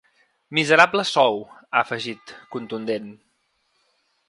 Miserable sou, ha afegit, contundent.